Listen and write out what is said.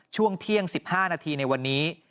ช่วงเที่ยง๑๕นาทีในวันนี้